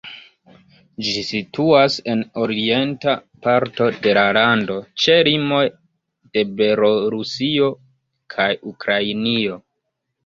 Ĝi situas en orienta parto de la lando ĉe limoj de Belorusio kaj Ukrainio.